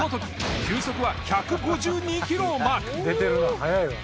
速いわ。